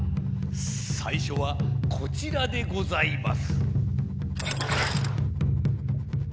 さいしょはこちらでございます。